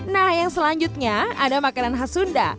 nah yang selanjutnya ada makanan khas sunda